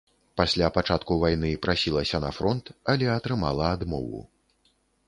Пасля пачатку вайны прасілася на фронт, але атрымала адмову.